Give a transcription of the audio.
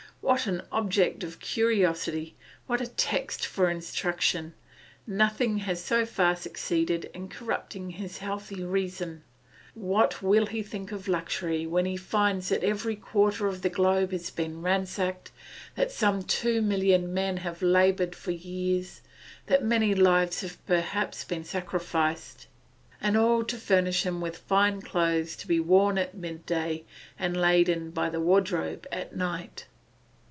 What an object of curiosity, what a text for instruction. Nothing has so far succeeded in corrupting his healthy reason; what will he think of luxury when he finds that every quarter of the globe has been ransacked, that some 2,000,000 men have laboured for years, that many lives have perhaps been sacrificed, and all to furnish him with fine clothes to be worn at midday and laid by in the wardrobe at night.